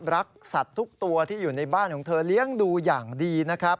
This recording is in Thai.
รักสัตว์ทุกตัวที่อยู่ในบ้านของเธอเลี้ยงดูอย่างดีนะครับ